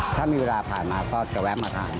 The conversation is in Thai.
ถ้ามีเวลาผ่านมาก็จะแวะมาทาน